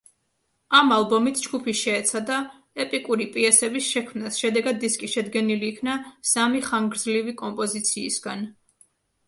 ამ ალბომით ჯგუფი შეეცადა ეპიკური პიესების შექმნას, შედეგად დისკი შედგენილი იქნა სამი ხანგრძლივი კომპოზიციისგან.